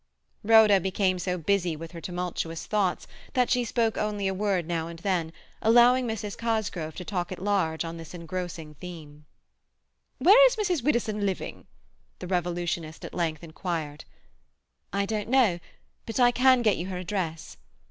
Rhoda became so busy with her tumultuous thoughts that she spoke only a word now and then, allowing Mrs. Cosgrove to talk at large on this engrossing theme. "Where is Mrs. Widdowson living?" the revolutionist at length inquired. "I don't know. But I can get you her address."